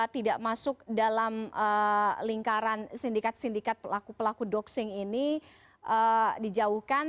tidak masuk dalam lingkaran sindikat sindikat pelaku pelaku doxing ini dijauhkan